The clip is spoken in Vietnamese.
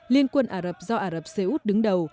liên quân ả rập do ả rập xê út đứng đầu